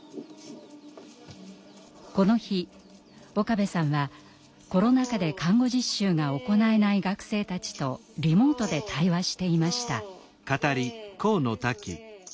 この日岡部さんはコロナ禍で看護実習が行えない学生たちとリモートで対話していました。